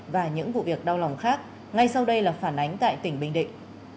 và những vụ việc đau lòng khác ngay sau đây là phản ánh tại tỉnh bình định